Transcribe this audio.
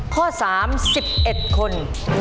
ข้อสาม๑๑คน